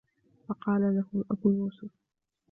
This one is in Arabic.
فَقَالَ لَهُ أَبُو يُوسُفَ